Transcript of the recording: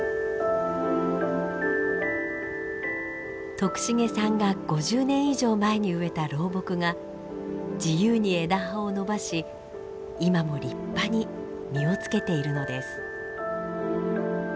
徳重さんが５０年以上前に植えた老木が自由に枝葉を伸ばし今も立派に実をつけているのです。